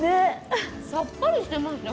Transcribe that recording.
さっぱりしていますね